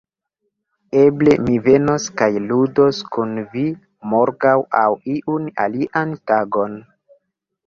Eble mi venos kaj ludos kun vi morgaŭ aŭ iun alian tagon.